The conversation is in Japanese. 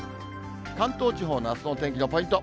関東地方のあすの天気のポイント。